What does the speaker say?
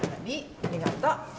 ありがとう。